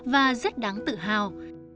và rất đáng tự hào